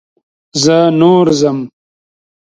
زه نور ځم.